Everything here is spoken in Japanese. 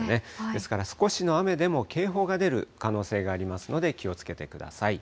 ですから、少しの雨でも警報が出る可能性がありますので、気をつけてください。